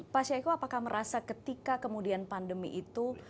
pak syahiku apakah merasa ketika kemudian pandemi itu